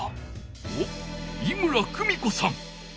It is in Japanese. おっ井村久美子さん！